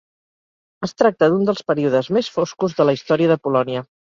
Es tracta d'un dels períodes més foscos de la història de Polònia.